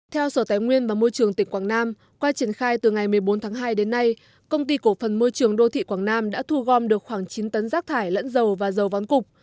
theo sở tài nguyên và môi trường tỉnh quảng nam qua triển khai từ ngày một mươi bốn tháng hai đến nay công ty cổ phần môi trường đô thị quảng nam đã thu gom được khoảng chín tấn rác thải lẫn dầu và dầu vón cục